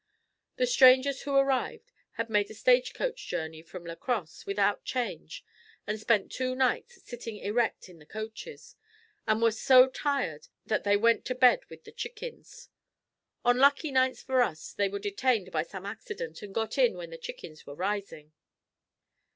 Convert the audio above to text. The strangers who arrived had made a stage coach journey from La Crosse without change and spent two nights sitting erect in the coaches, and were so tired that they went to bed with the chickens. On lucky nights for us they were detained by some accident and got in when the chickens were rising.